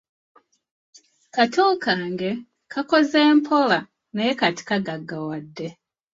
Kato kange kakoze mpola naye kati kagaggawadde.